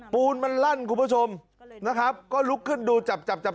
ปูนมันลั่นคุณผู้ชมนะครับก็ลุกขึ้นดูจับจับจับ